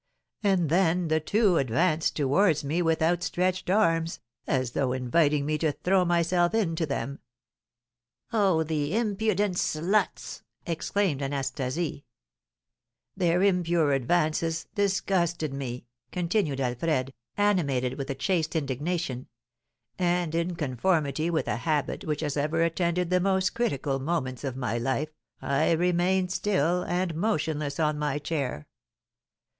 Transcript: And then the two advanced towards me with outstretched arms, as though inviting me to throw myself into them." "Oh, the impudent sluts!" exclaimed Anastasie. "Their impure advances disgusted me," continued Alfred, animated with a chaste indignation; "and, in conformity with a habit which has ever attended the most critical moments of my life, I remained still and motionless on my chair.